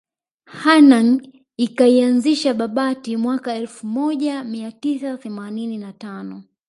Hanang ikaianzisha Babati mwaka elfu moja mia tisa themanini na tano